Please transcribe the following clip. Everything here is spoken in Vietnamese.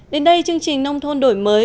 đến đây chương trình nông thôn đổi mới